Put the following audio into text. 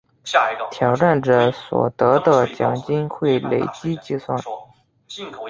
挑战者所得的奖金会累积计算。